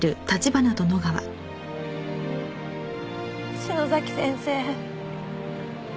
篠崎先生。